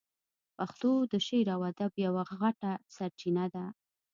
پښتو د شعر او ادب یوه غټه سرچینه ده.